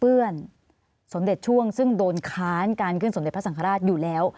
สมเด็จช่วงซึ่งโดนค้านการขึ้นสมเด็จพระสังฆราชอยู่แล้ว